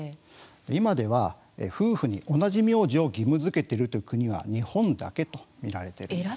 今では夫婦に同じ名字を義務づけているという国は日本だけとみられているんです。